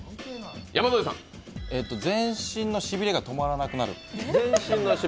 全身のしびれが止まらなくなる？